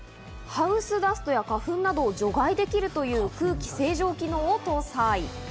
ハウスダストや花粉などを除外できるという空気清浄機能も搭載。